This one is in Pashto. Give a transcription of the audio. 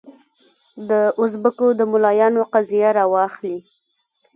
د اوزبکو د ملایانو قضیه راواخلې.